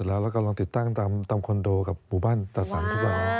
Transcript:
เพราะบอกว่าทำให้รถประหยัดน้ำมันใช่ไหมคะ